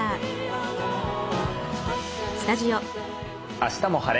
「あしたも晴れ！